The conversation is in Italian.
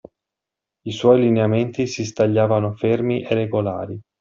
I suoi lineamenti si stagliavano fermi e regolari